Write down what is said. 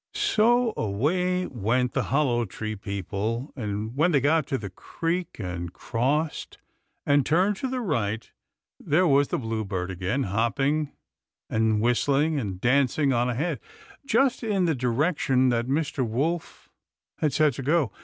So away went the Hollow Tree people, and when they got to the creek, and crossed, and turned to the right, there was the bluebird again, hopping and whistling and dancing on ahead, just in the direction that Mr. Wolf had said to go.